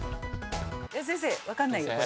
先生分かんないよこれ。